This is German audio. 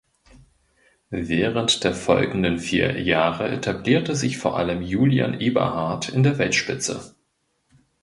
Während der folgenden vier Jahre etablierte sich vor allem Julian Eberhard in der Weltspitze.